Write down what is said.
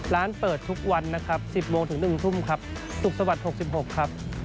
ร้านเปิดทุกวันนะครับ๑๐โมงถึง๑ทุ่มครับสุขสวัสดิ์๖๖ครับ